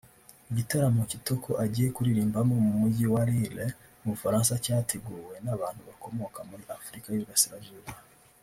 Igitaramo Kitoko agiye kuririmbamo mu Mujyi wa Lille mu Bufaransa cyateguwe n’abantu bakomoka muri Afurika y’Uburasirazuba